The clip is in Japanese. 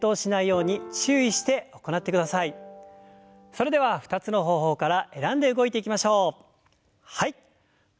それでは２つの方法から選んで動いていきましょう。